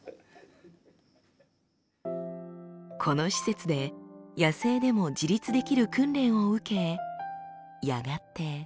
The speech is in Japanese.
この施設で野生でも自立できる訓練を受けやがて。